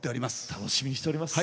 楽しみにしております。